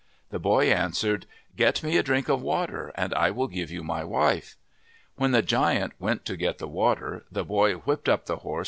' The boy answered, " Get me a drink of water and I will give you my wife." When the giant went to get the water, the boy whipped up the horse and hurried on.